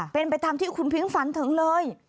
เป็นประธามที่คุณภิกษ์ฝันถึงเลย